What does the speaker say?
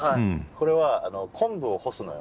これは昆布を干すのよ。